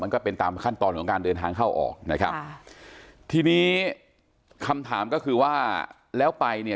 ก็เป็นตามขั้นตอนของการเดินทางเข้าออกนะครับค่ะทีนี้คำถามก็คือว่าแล้วไปเนี่ย